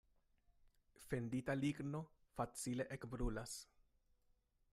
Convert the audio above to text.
Fendita ligno facile ekbrulas.